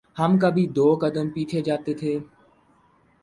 ہم کبھی دو قدم پیچھے جاتے تھے۔